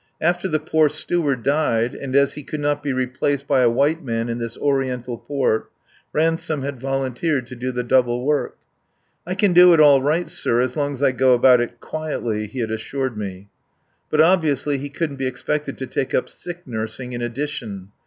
After the poor steward died, and as he could not be replaced by a white man in this Oriental port, Ransome had volunteered to do the double work. "I can do it all right, sir, as long as I go about it quietly," he had assured me. But obviously he couldn't be expected to take up sick nursing in addition.